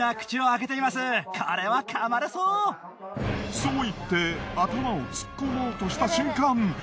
そう言って頭を突っ込もうとした瞬間。